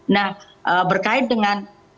nah berkait dengan